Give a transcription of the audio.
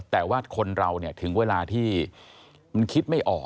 แต่ว่าคนเราเนี่ยถึงเวลาที่มันคิดไม่ออก